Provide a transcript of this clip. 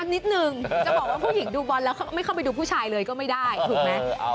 นิดนึงจะบอกว่าผู้หญิงดูบอลแล้วไม่เข้าไปดูผู้ชายเลยก็ไม่ได้ถูกไหม